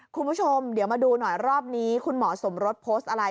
คุณผู้ชมเดี๋ยวมาดูหน่อยรอบนี้คุณหมอสมรสโพสต์อะไร